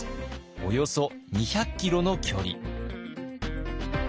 およそ２００キロの距離。